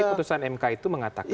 putusan mk itu mengatakan